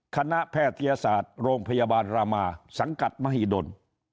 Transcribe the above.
แพทยศาสตร์โรงพยาบาลรามาสังกัดมหิดล